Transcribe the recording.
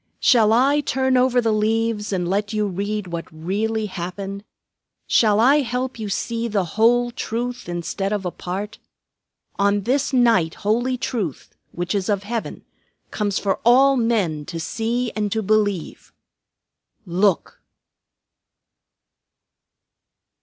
Shall I turn over the leaves and let you read what really happened? Shall I help you to see the whole truth instead of a part? On this night holy Truth, which is of Heaven, comes for all men to see and to believe. Look!"